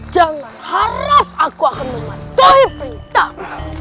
jangan harap aku akan mematuhi perintahmu